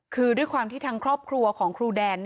คือด้วยความที่ทางครอบครัวของครูแดน